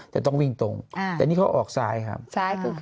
จะต้องวิ่งตรงแต่นี่เขาออกซ้ายครับ